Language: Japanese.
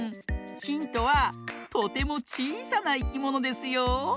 ヒントはとてもちいさないきものですよ。